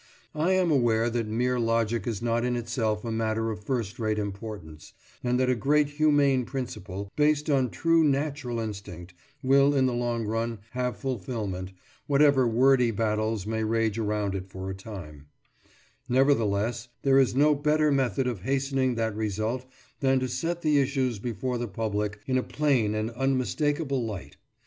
I am aware that mere logic is not in itself a matter of first rate importance, and that a great humane principal, based on true natural instinct, will in the long run have fulfilment, whatever wordy battles may rage around it for a time; nevertheless, there is no better method of hastening that result than to set the issues before the public in a plain and unmistakable light.